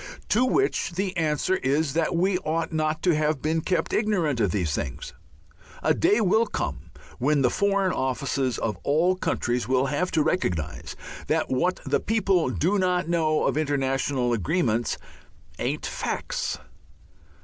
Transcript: To which the answer is that we ought not to have been kept ignorant of these things. A day will come when the Foreign Offices of all countries will have to recognize that what the people do not know of international agreements "ain't facts."